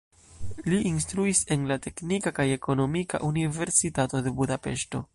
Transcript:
Li instruis en la Teknika kaj Ekonomika Universitato de Budapeŝto.